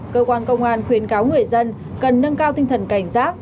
cơ quan công an khuyến cáo người dân cần nâng cao tinh thần cảnh giác